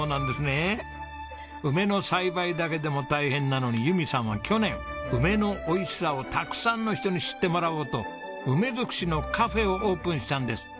梅の栽培だけでも大変なのに由美さんは去年梅のおいしさをたくさんの人に知ってもらおうと梅づくしのカフェをオープンしたんです。